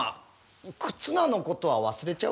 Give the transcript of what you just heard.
忽那のことは忘れちゃうかもな。